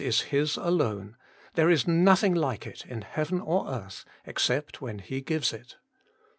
is His alone ; there is nothing like it in heaven or earth, except when He gives it.